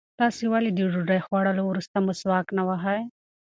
تاسې ولې د ډوډۍ خوړلو وروسته مسواک نه وهئ؟